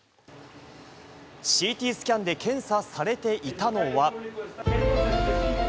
ＣＴスキャンで検査されていたのは。